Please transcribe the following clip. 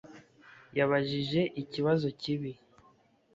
Yabajije ikibazo kibi